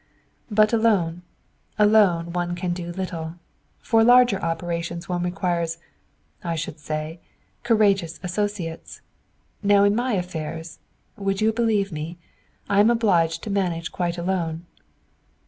"But alone alone one can do little. For larger operations one requires I should say courageous associates. Now in my affairs would you believe me? I am obliged to manage quite alone."